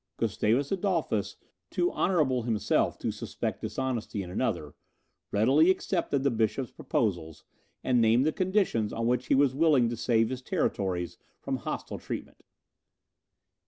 Gustavus Adolphus, too honourable himself to suspect dishonesty in another, readily accepted the bishop's proposals, and named the conditions on which he was willing to save his territories from hostile treatment.